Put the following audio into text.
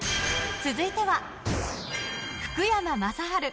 続いては、福山雅治。